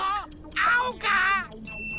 あおか？